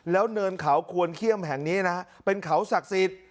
แล้วเนินเขาควรเขี้ยมแห่งนี้นะฮะเป็นเขาศักดิ์สิทธิ์